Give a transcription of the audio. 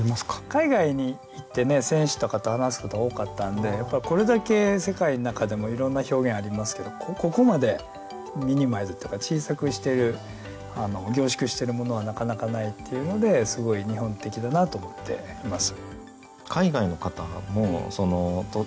海外に行ってね選手とかと話すことが多かったんでこれだけ世界の中でもいろんな表現ありますけどここまでミニマイズっていうか小さくしてる凝縮してるものはなかなかないっていうのですごい日本的だなと思っています。